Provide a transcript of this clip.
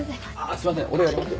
すいません俺やります。